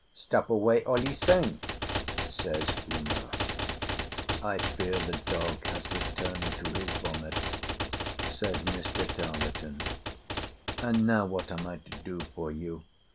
"Stop away all e same," says Uma. "I fear the dog has returned to his vomit," said Mr. Tarleton. "And now what am I to do for you?